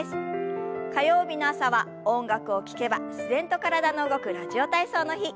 火曜日の朝は音楽を聞けば自然と体の動く「ラジオ体操」の日。